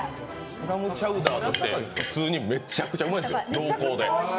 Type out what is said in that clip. クラムチャウダーとして普通にめちゃくちゃうまいですよ、濃厚で。